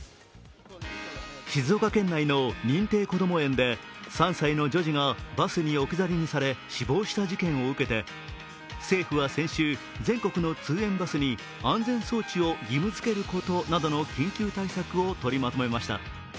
静岡県内の認定こども園で３歳の女児がバスに置き去りにされ死亡した事件を受けて政府は先週、全国の通園バスに安全装置を義務付けることなどの緊急対策を取りまとめました。